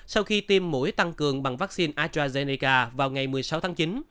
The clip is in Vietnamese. sau khi tiêm mũi tăng cường bằng vaccine astrazeneca vào ngày một mươi sáu tháng chín